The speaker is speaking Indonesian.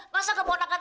masa keponakan tanti